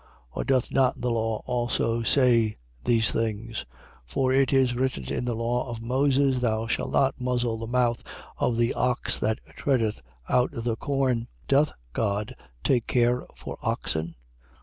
Or doth not the law also say; these things? 9:9. For it is written in the law of Moses: Thou shalt not muzzle the mouth of the ox that treadeth out the corn. Doth God take care for oxen?